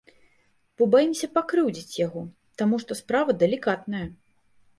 Бо баімся пакрыўдзіць яго, таму што справа далікатная.